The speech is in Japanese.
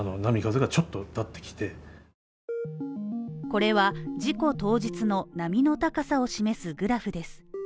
これは事故当日の波の高さを示すグラフです。